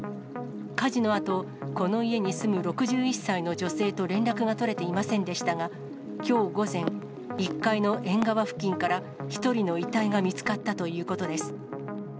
火事のあと、この家に住む６１歳の女性と連絡が取れていませんでしたが、きょう午前、１階の縁側付近から、１人の遺体が見つかったということです。